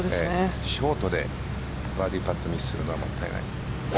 ショートでバーディーパットをミスするのはもったいない。